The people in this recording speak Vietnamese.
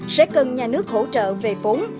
sẽ cần nhà nước hỗ trợ về vốn